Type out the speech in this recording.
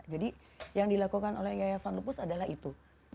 jadi yang dilakukan oleh yayasan lupus adalah itu